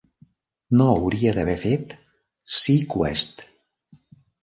No hauria d'haver fet "seaQuest".